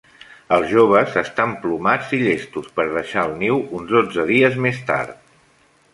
Els joves estan plomats i llestos per deixar el niu uns dotze dies més tard.